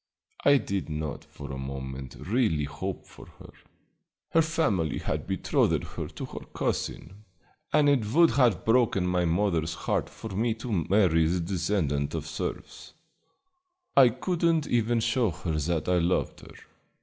I did not for a moment really hope for her. Her family had betrothed her to her cousin, and it would have broken my mother's heart for me to marry the descendant of serfs. I could n't even show her that I loved her.